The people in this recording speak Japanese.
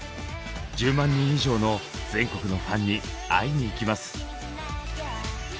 １０万人以上の全国のファンに会いに行きます！